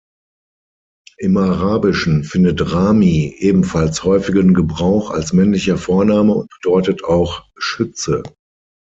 Im Arabischen findet Rami ebenfalls häufigen Gebrauch als männlicher Vorname und bedeutet auch "Schütze".